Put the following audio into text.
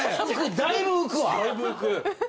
だいぶ浮くわ。